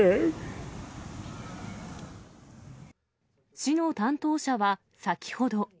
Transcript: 市の担当者は先ほど。